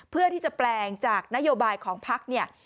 เพื่อที่จะแปลงจากนโยบายของพักเนี่ย